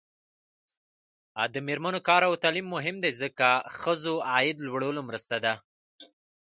د میرمنو کار او تعلیم مهم دی ځکه چې ښځو عاید لوړولو مرسته ده.